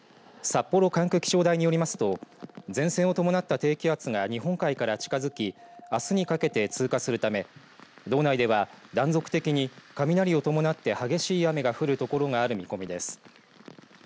札幌管区気象台によりますと前線を伴った低気圧が日本海から近づきあすにかけて通過するため道内では断続的に雷を伴って激しい雨が降る所がある見込みです。